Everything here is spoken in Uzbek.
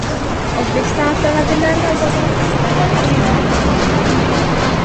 O‘zbekiston avtomobillarini asosan qaysi davlatlar sotib olmoqda?